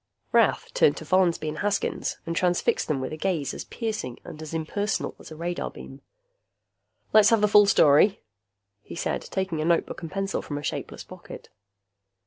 Rath turned to Follansby and Haskins, and transfixed them with a gaze as piercing and as impersonal as a radar beam. "Let's have the full story," he said, taking a notebook and pencil from a shapeless pocket.